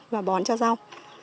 và bón cho rau